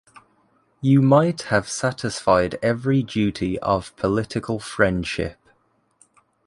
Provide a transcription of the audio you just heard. You might have satisfied every duty of political friendship.